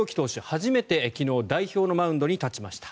初めて昨日代表のマウンドに立ちました。